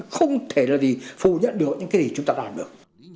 không thể là gì phủ nhận được những cái gì chúng ta làm được